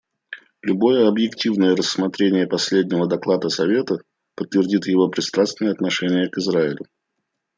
Любое объективное рассмотрение последнего доклада Совета подтвердит его пристрастное отношение к Израилю.